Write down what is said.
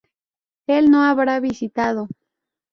Él no habrá visitado